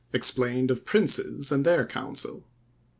EXPLAINED OF PRINCES AND THEIR COUNCIL.